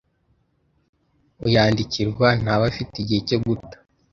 Uyandikirwa ntaba afite igihe cyo guta